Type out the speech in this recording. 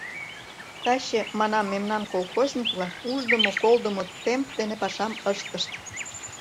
Таче, манам, мемнан колхозник-влак уждымо-колдымо темп дене пашам ыштышт.